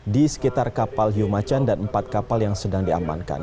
di sekitar kapal hiu macan dan empat kapal yang sedang diamankan